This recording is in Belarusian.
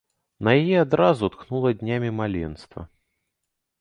На яе адразу тхнула днямі маленства.